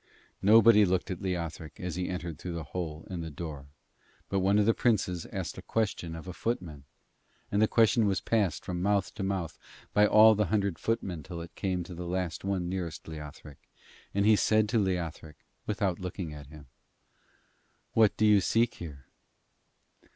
Nobody looked at Leothric as he entered through the hole in the door, but one of the Princes asked a question of a footman, and the question was passed from mouth to mouth by all the hundred footmen till it came to the last one nearest Leothric; and he said to Leothric, without looking at him: 'What do you seek here?'